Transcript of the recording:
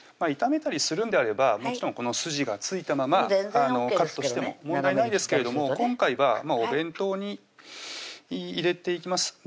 炒めたりするんであればもちろんこの筋が付いたままカットしても問題ないですけれども今回はお弁当に入れていきます